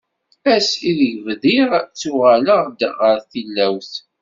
Ass i deg bdiɣ ttuɣaleɣ-d ɣer tilawt.